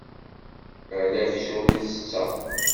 Ala aksum i tetteɣ.